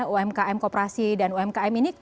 umkm kooperasi dan umkm ini